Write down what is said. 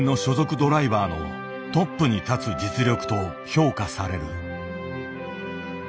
ドライバーのトップに立つ実力と評価される。